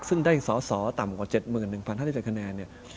ซึ่งได้สอต่ำกว่า๗๐๐๐๐หรือ๑๐๕๗คะแนน